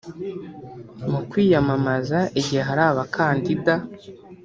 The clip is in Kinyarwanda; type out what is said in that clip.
mu kwiyamamaza igihe hari abakandida